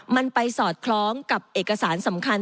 มันไปสอดคล้องกับเอกสารสำคัญ